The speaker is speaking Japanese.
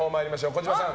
児嶋さん